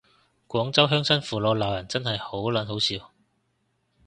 廣州鄉親父老鬧人真係好嗱好笑